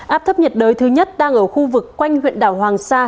áp thấp nhiệt đới thứ nhất đang ở khu vực quanh huyện đảo hoàng sa